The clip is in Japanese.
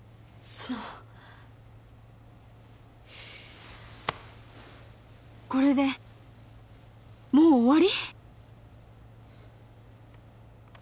そのこれでもう終わり！？